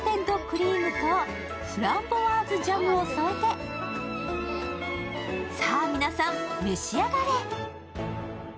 クリームとフランボワーズジャムを添えて、さあ、皆さん、召し上がれ。